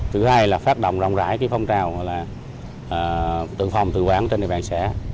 thứ hai là phát động rộng rãi phong trào là tượng phòng tự quản trên địa bàn xã